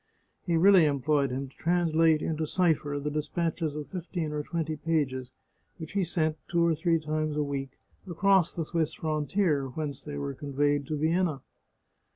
He really employed him to translate into cipher the despatches of fifteen or twenty pages which he sent, two or three times a week, across the Swiss frontier, whence they were conveyed to Vienna.